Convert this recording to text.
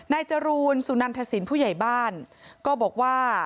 จรูนสุนันทศิลป์ผู้ใหญ่บ้านก็บอกว่า